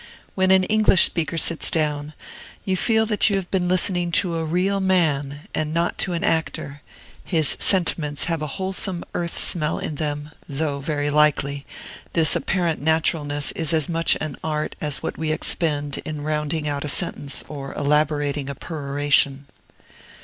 When an English speaker sits down, you feel that you have been listening to a real man, and not to an actor; his sentiments have a wholesome earth smell in them, though, very likely, this apparent naturalness is as much an art as what we expend in rounding a sentence or elaborating a peroration.